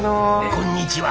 「こんにちは」。